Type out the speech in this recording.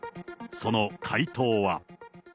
その回答は。